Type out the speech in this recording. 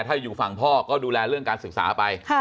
ถ้าอยู่ฝั่งพ่อก็ดูแลเรื่องการศึกษาไป